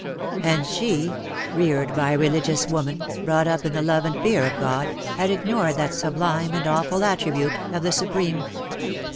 And she, reared by a religious woman, brought up in the love and fear of God, had ignored that sublime and awful attribute of the Supreme.